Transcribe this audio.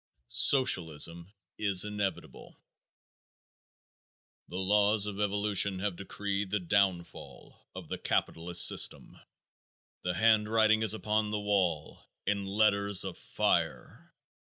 Socialism Is Inevitable. The laws of evolution have decreed the downfall of the capitalist system. The handwriting is upon the wall in letters of fire.